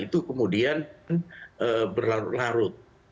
itu kemudian berlarut larut